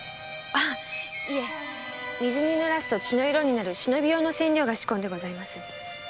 あいえ水に濡らすと血の色になる忍び用の染料が仕込んでございます。